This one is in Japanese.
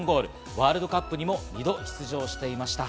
ワールドカップにも２度出場していました。